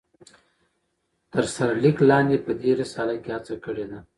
تر سر ليک لاندي په دي رساله کې هڅه کړي ده